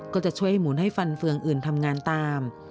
ก็จะช่วยหมุนให้ฟันเฟืองอื่นทำงานตาม